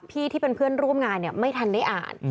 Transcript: พี่ที่เป็นเพื่อนร่วมงานไม่ทันได้อ่าน